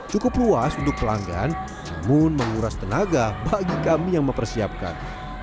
cukup luas untuk pelanggan namun menguras tenaga bagi kami yang mempersiapkan